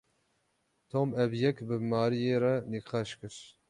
Tom ev yek bi Maryê re nîqaş kir.